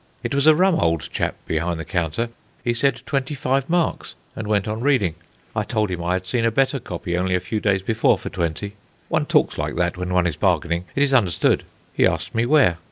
It was a rum old chap behind the counter. He said: 'Twenty five marks,' and went on reading. I told him I had seen a better copy only a few days before for twenty one talks like that when one is bargaining; it is understood. He asked me 'Where?'